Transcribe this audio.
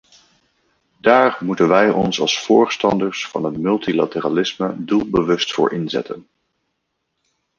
Daar moeten wij ons als voorstanders van het multilateralisme doelbewust voor inzetten.